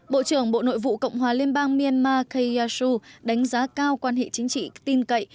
bộ trưởng bộ nội vụ cộng hòa liên bang myanmar kayyashiu đánh giá cao quan hệ chính trị tin cậy